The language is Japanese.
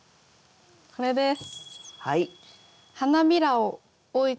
これです。